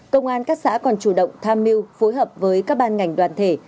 công an các xã còn chủ động tham mưu phối hợp với các ban ngành đoàn thể